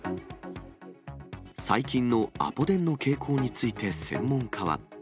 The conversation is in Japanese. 最近のアポ電の傾向について、専門家は。